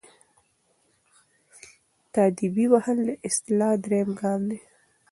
تاديبي وهل د اصلاح دریم ګام دی.